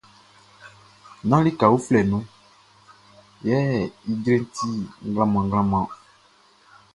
Nán lika uflɛ nun yɛ ijreʼn ti mlanmlanmlan ɔn.